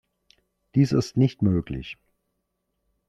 Dies ist nicht möglich.